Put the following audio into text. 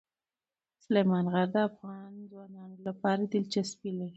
سلیمان غر د افغان ځوانانو لپاره دلچسپي لري.